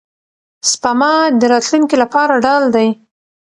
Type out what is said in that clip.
سپما د راتلونکي لپاره ډال دی.